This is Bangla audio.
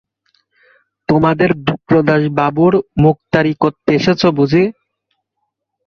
তোমাদের বিপ্রদাসবাবুর মোক্তারি করতে এসেছ বুঝি?